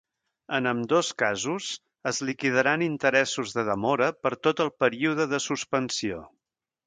En ambdós casos es liquidaran interessos de demora per tot el període de suspensió.